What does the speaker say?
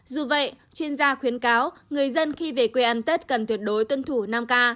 dù vậy chuyên gia khuyến cáo người dân khi về quê ăn tết cần tuyệt đối tuân thủ năm k